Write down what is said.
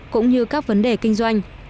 cũng như các vấn đề kinh doanh